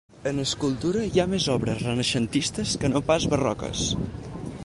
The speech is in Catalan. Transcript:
En escultura hi ha més obres renaixentistes que no pas barroques.